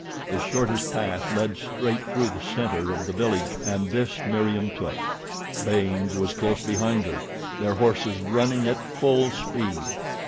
The shortest path led straight through the center of the village, and this Meriem took. Baynes was close behind her, their horses running at full speed.